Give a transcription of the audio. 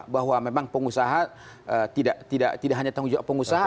bahwa memang pengusaha tidak hanya tanggung jawab pengusaha